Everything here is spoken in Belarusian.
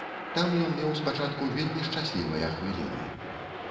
Там ён меў спачатку вельмі шчаслівыя хвіліны.